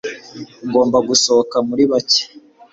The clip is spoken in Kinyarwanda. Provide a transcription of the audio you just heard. ngomba gusohoka muri bake